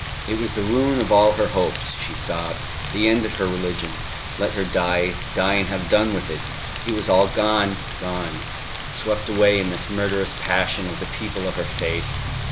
It was the ruin of all her hopes, she sobbed, the end of her religion. Let her die, die and have done with it! It was all gone, gone, swept away in this murderous passion of the people of her faith